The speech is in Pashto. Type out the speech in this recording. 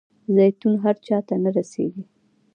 زیتون هر چاته نه رسیږي.